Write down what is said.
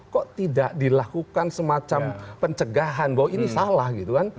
kok tidak dilakukan semacam pencegahan bahwa ini salah gitu kan